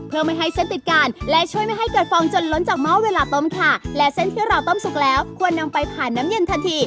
เพื่อไม่ให้เส้นติดกันและช่วยไม่ให้เกิดฟองจนล้นจากหม้อเวลาต้มค่ะและเส้นที่เราต้มสุกแล้วควรนำไปผ่านน้ำเย็นทันที